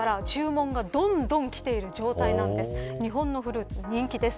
日本のフルーツが人気です。